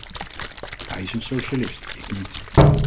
Hij is een socialist, ik niet.